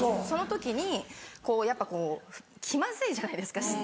その時にやっぱこう気まずいじゃないですか。